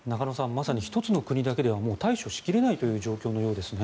まさに１つの国だけではもう対処しきれない状況のようですね。